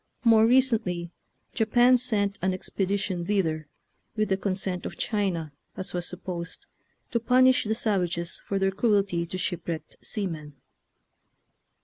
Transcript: More recently Japan sent an expedition thither, with the consent of China, as was supposed, to punish the savages for their cruelty to shipwrecked seamen.